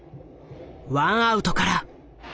ワンアウトから。